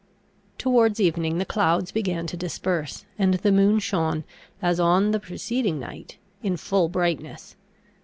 Towards evening, the clouds began to disperse, and the moon shone, as on the preceding night, in full brightness.